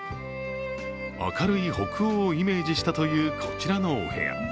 明るい北欧をイメージしたというこちらのお部屋。